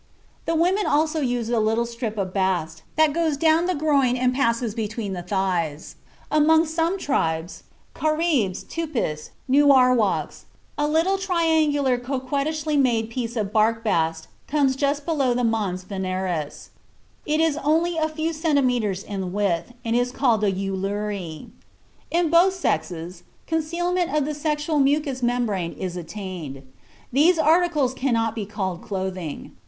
The women also use a little strip of bast that goes down the groin and passes between the thighs. Among some tribes (Karibs, Tupis, Nu Arwaks) a little, triangular, coquettishly made piece of bark bast comes just below the mons veneris; it is only a few centimetres in width, and is called the uluri. In both sexes concealment of the sexual mucous membrane is attained. These articles cannot be called clothing.